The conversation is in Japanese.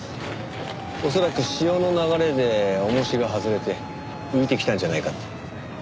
恐らく潮の流れで重しが外れて浮いてきたんじゃないかって。